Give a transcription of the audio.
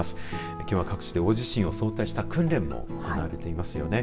きょうは各地で大地震を想定した訓練も行われていますよね。